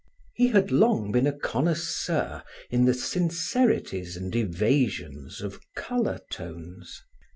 He had long been a connoisseur in the sincerities and evasions of color tones.